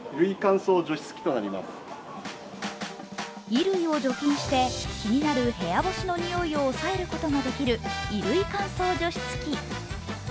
衣類を除菌して気になる部屋干しの臭いを抑えることができる衣類乾燥除湿機。